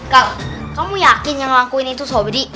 kak kamu yakin yang ngelakuin itu sobri